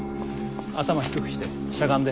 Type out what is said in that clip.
頭低くしてしゃがんで。